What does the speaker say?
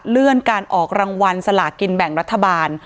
เลื่อนการออกรางวัลสลากินแบ่งรัฐบาล